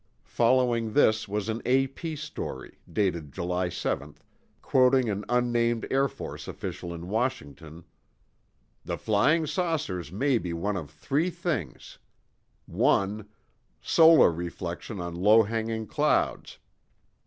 Following this was an A.P. story, dated July 7, quoting an unnamed Air Force official in Washington: "The flying saucers may be one of three things: "1. Solar reflection on low hanging clouds.